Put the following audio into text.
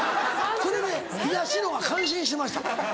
それで東野は感心してました。